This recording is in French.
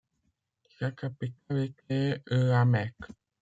Sa capitale était La Mecque.